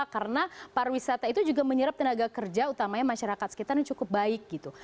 karena pariwisata itu juga menyerap tenaga kerja utamanya masyarakat sekitar yang cukup baik gitu